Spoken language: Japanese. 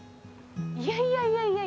いやいやいや！